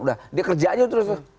udah dia kerja aja terus